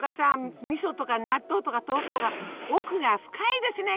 みそとか納豆とか豆腐とか奥が深いですね